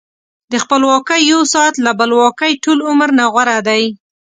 د خپلواکۍ یو ساعت له بلواکۍ ټول عمر نه غوره دی.